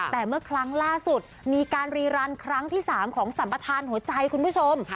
แต่เมื่อครั้งล่าสุดมีการรีรันครั้งที่๓ของสัมปทานหัวใจคุณผู้ชม